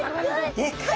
でかい！